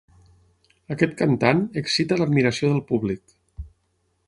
Aquest cantant excita l'admiració del públic.